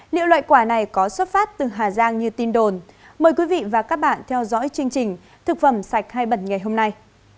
liệu loại quả này có xuất phát từ hà giang như tin đồn mời quý vị và các bạn theo dõi chương trình thực phẩm sạch hai bẩn ngày hôm nay